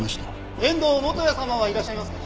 遠藤元也様はいらっしゃいますか？